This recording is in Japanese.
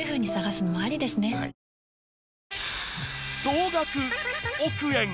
［総額億円